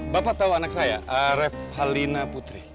bapak tahu anak saya rev halina putri